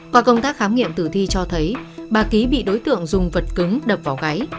qua công tác khám nghiệm tử thi cho thấy bà ký bị đối tượng dùng vật cứng đập vào gáy